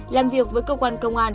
làm việc với cơ quan công an